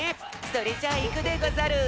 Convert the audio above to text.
それじゃあいくでござる！